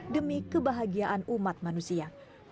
demi kebahagiaan umat manusia